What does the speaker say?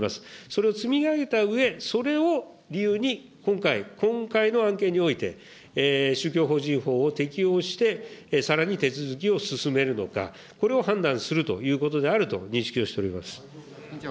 それを積み上げたうえ、それを理由に、今回、今回の案件において、宗教法人法を適用して、さらに手続きを進めるのか、これを判断するということであると認識をしております。